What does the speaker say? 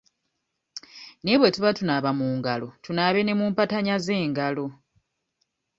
Naye bwe tuba tunaaba mu ngalo tunaabe ne mu mpataanya z'engalo.